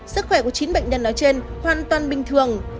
sức khỏe của chín bệnh nhân nói trên hoàn toàn bình thường